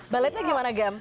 balletnya gimana gem